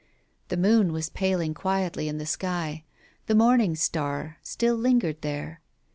The moon was paling quietly in the sky. The morning star still lingered there.